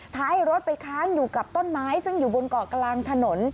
ท้ายรถไปค้างอยู่กับต้นไม้ซึ่งอยู่บนเกาะกลางถนน